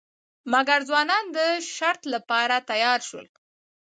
مګر ځوانان د شرط لپاره تیار شول.